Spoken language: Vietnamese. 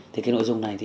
thì cái nội dung này thì